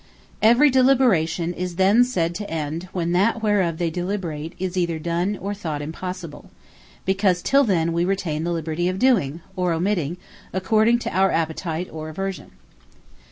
Every Deliberation is then sayd to End when that whereof they Deliberate, is either done, or thought impossible; because till then wee retain the liberty of doing, or omitting, according to our Appetite, or Aversion.